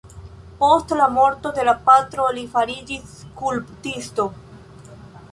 Post la morto de la patro li fariĝis skulptisto.